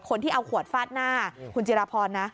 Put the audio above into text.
คนที่เอาขวดฟาดหน้าคุณจิราพรนะ